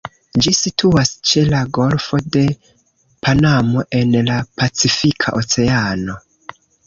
Ĝi situas ĉe la Golfo de Panamo en la Pacifika Oceano.